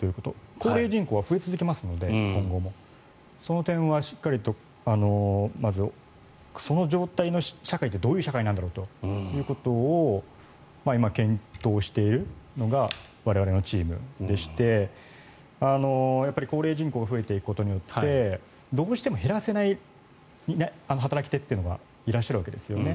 高齢人口は今後も増え続けますのでその点はしっかりと、まずその状態の社会ってどういう社会なんだろうということを今、検討しているのが我々のチームでして高齢人口が増えていくことによってどうしても減らせない働き手というのがいらっしゃるわけですよね。